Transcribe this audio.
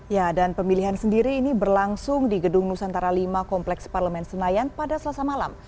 ya dan pemilihan sendiri ini berlangsung di gedung nusantara v kompleks parlemen senayan pada selasa malam